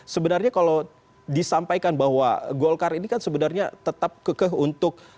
sebenarnya kalau disampaikan bahwa golkar ini kan sebenarnya tetap kekeh untuk